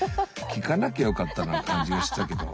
聞かなきゃよかったような感じがしたけど。